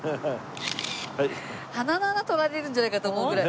鼻の穴撮られるんじゃないかと思うぐらい。